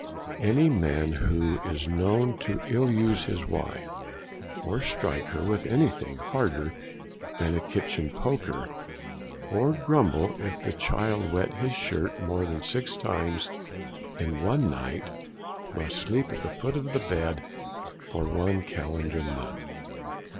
Any man who is known to ill use his wife, or strike her with anything harder than a kitchen poker, or grumble if the child wet his shirt more than six times in one night, must sleep at the foot of the bed for one calendar month.